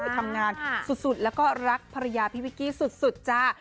ทำงานสุดแล้วก็รักภรรยาพี่วิกกี้สุดจ้า